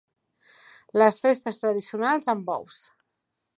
Les festes tradicionals amb bous.